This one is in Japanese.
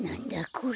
これ。